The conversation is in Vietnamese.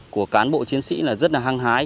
của cán bộ chiến sĩ rất là hăng hái